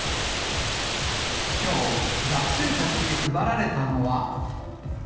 きょう、学生たちに配られたのは。